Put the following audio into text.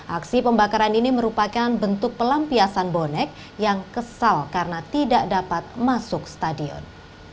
aksi pembakaran ini merupakan bentuk pelampiasan bonek yang kesal karena tidak dapat masuk stadion